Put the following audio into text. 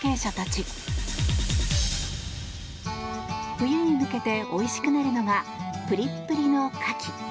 冬に向けておいしくなるのがプリップリのカキ。